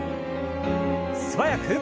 素早く。